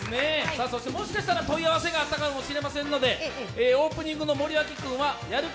もしかしたら問い合わせがあったかもしれませんので、オープニングの森脇君は、やる気！